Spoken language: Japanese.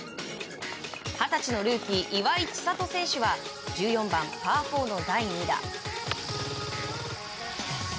二十歳のルーキー岩井千怜選手は１４番、パー４の第２打。